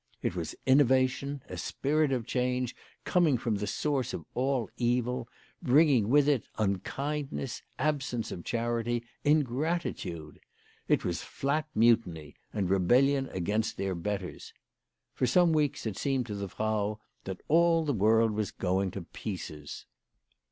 It was innovation, a spirit of change coming from the source of all evil, bringing with it unkindness, absence of charity, ingratitude ! It was flat mutiny, and rebellion against their betters. For some weeks it seemed to the Frau that all the world was going to pieces.